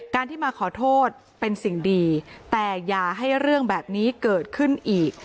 การที่มาขอโทษเป็นสิ่งดีแต่อย่าให้เรื่องแบบนี้เกิดขึ้นอีก